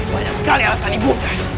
banyak sekali alasan ibu